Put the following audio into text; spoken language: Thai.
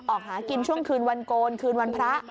ออกหากินช่วงคืนวันโกนคืนวันพระ